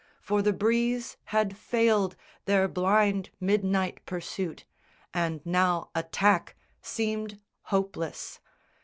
For the breeze had failed Their blind midnight pursuit; and now attack Seemed hopeless.